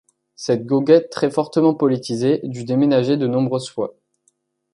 Cette goguette très fortement politisée dut déménager de nombreuses fois.